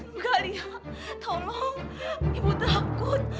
enggak ria tolong ibu takut